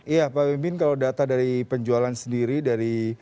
iya pak pimpin kalau data dari penjualan sendiri dari